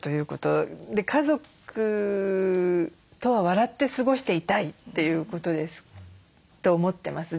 家族とは笑って過ごしていたいということですと思ってます。